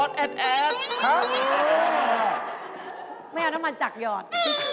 แม่น้ำมันจักหยอดโอ้โฮแม่น้ำมันจักหยอด